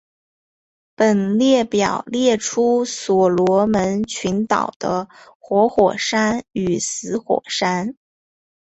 本列表列出所罗门群岛的活火山与死火山。